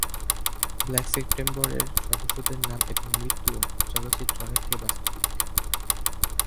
Black September এর সদস্যদের নাম এবং মৃত্যুও চলচ্চিত্রে অনেকটাই বাস্তবিক।